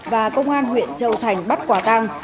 và công an huyện châu thành bắt quả tăng